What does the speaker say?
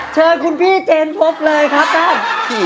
เชิญคุณพี่เจนพบเลยครับท่าน